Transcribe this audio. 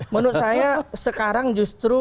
menurut saya sekarang justru